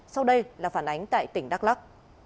sau đây là phản ánh tại tỉnh đắk lắk